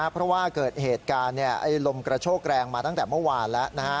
เพราะว่าเกิดเหตุการณ์ลมกระโชกแรงมาตั้งแต่เมื่อวานแล้ว